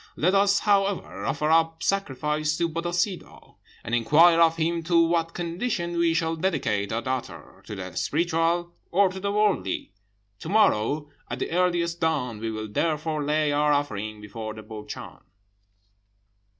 Let us, however, offer up sacrifice to Bodissadoh, and inquire of him to what condition we shall dedicate our daughter to the spiritual or to the worldly. To morrow, at the earliest dawn, we will therefore lay our offering before the Burchan.'